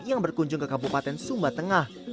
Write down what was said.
yang berkunjung ke kabupaten sumba tengah